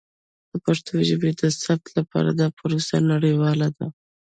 د پښتو ژبې د ثبت لپاره دا پروسه نړیواله ده.